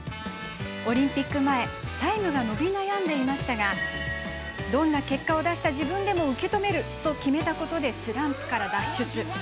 オリンピック前タイムが伸び悩んでいましたがどんな結果を出した自分でも受け止めると決めたことでスランプから脱出。